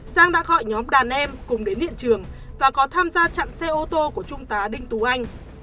giang đã gọi nhóm đàn em cùng đến hiện trường và có tham gia chặn xe ô tô của trung tá đinh tú anh